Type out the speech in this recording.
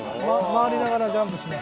回りながらジャンプします。